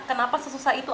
kenapa sesusah itu